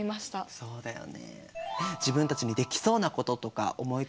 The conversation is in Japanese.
そうだね。